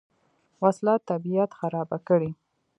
وسله طبیعت خرابه کړي